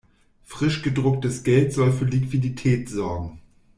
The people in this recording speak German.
Frisch gedrucktes Geld soll für Liquidität sorgen.